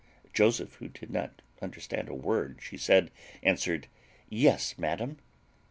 Joseph, who did not understand a word she said, answered, "Yes, madam."